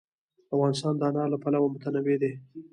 افغانستان د انار له پلوه متنوع دی.